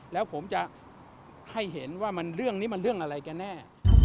แล้วผมจะให้เห็นว่าเรื่องนี้มันเรื่องอะไรกันแน่